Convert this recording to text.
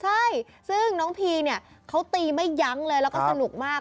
ใช่ซึ่งน้องพีเนี่ยเขาตีไม่ยั้งเลยแล้วก็สนุกมาก